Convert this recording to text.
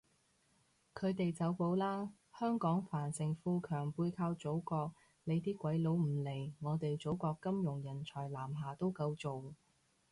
佢哋走寶喇，香港繁盛富強背靠祖國，你啲鬼佬唔嚟，我哋祖國金融人才南下都夠做